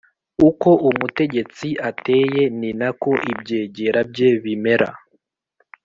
Uko umutegetsi ateye, ni na ko ibyegera bye bimera,